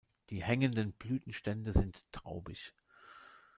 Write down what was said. Die hängenden Blütenstände sind traubig.